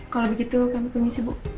kalau begitu kami permisi bu